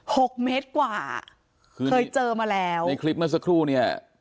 หกเมตรกว่าเคยเจอมาแล้วในคลิปเมื่อสักครู่เนี้ย